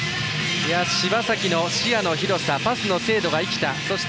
柴崎の視野の広さパスの精度が生きた。